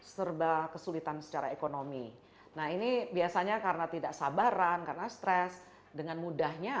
serba kesulitan secara ekonomi nah ini biasanya karena tidak sabaran karena stres dengan mudahnya